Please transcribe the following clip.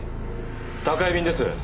宅配便です。